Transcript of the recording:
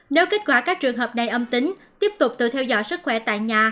nếu kết quả các trường hợp này âm tính tiếp tục tự theo dõi sức khỏe tại nhà